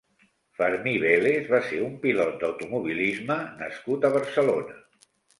Fermí Vélez va ser un pilot d'automobilisme nascut a Barcelona.